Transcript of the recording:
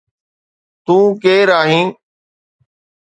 تو ڪير آهين